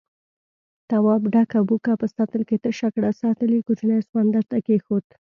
تواب ډکه بوکه په سطل کې تشه کړه، سطل يې کوچني سخوندر ته کېښود.